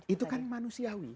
itu kan manusiawi